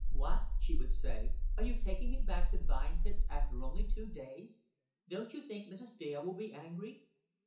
"What," she would say, "are you taking me back to Vine Pits after only two days? Don't you think Mrs. Dale will be angry?"